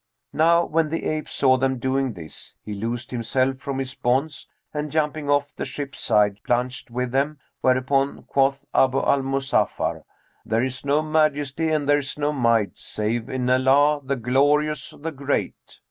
Now when the ape saw them doing this, he loosed himself from his bonds and, jumping off the ship's side, plunged with them, whereupon quoth Abu al Muzaffar, 'There is no Majesty and there is no Might, save in Allah, the Glorious, the Great!